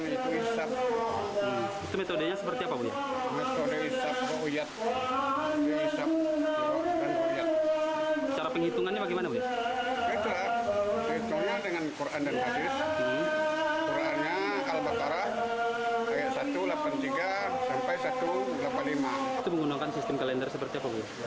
itu pemerintah naksabandia